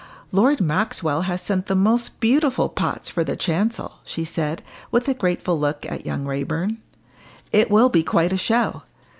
"Lord Maxwell has sent the most beautiful pots for the chancel," she said, with a grateful look at young Raeburn. "It will be quite a show."